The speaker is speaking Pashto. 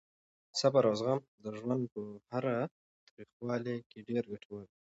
صبر او زغم د ژوند په هره تریخوالې کې ډېر ګټور دي.